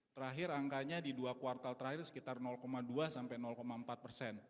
terakhir angkanya di dua kuartal terakhir sekitar dua sampai empat persen